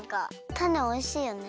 たねおいしいよね。